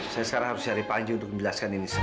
saya sekarang harus cari panji untuk menjelaskan ini